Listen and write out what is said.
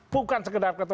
bukan sekedar ketua partai